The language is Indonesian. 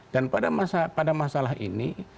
dan pada masalah ini